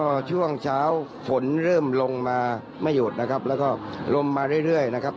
พอช่วงเช้าฝนเริ่มลงมาไม่หยุดนะครับแล้วก็ลมมาเรื่อยนะครับ